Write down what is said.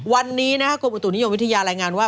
วันนี้นะครับกรุงประตูนิยมวิทยารายงานว่า